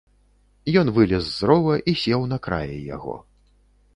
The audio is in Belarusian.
Ён вылез з рова і сеў на краі яго.